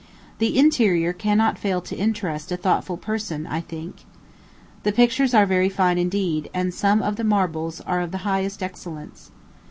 The interior cannot fail to interest a thoughtful person, I think. The pictures are very fine indeed, and some of the marbles are of the highest excellence.